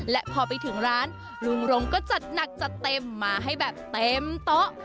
และพอไปถึงร้านลุงรงก็จัดหนักจัดเต็มมาให้แบบเต็มโต๊ะ